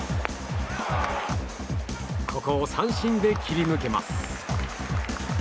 ここを三振で切り抜けます。